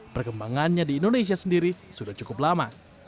perkembangannya di indonesia sendiri sudah cukup lama